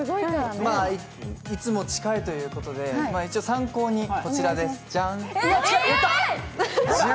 いつも近いということで、参考にこちらです、ジャン！